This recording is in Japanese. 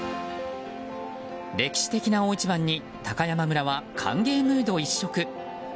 歴史的な大一番に高山村は歓迎ムード一色。